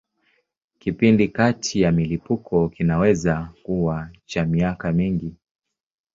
Kipindi kati ya milipuko kinaweza kuwa cha miaka mingi.